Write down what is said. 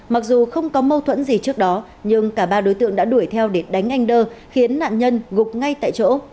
mặc dù không có mâu thuẫn gì trước đó nhưng cả ba đối tượng đã đuổi theo để đánh anh đơ khiến nạn nhân gục ngay tại chỗ